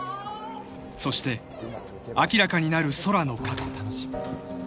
［そして明らかになる空の過去］